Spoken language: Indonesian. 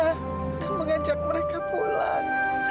dan mengajak mereka pulang